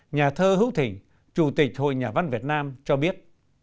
nhà thơ hữu thình chủ tịch hội nhà văn việt nam cho biết